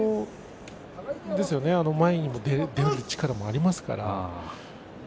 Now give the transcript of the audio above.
前に出る力もありますから。